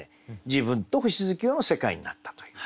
自分と星月夜の世界になったという。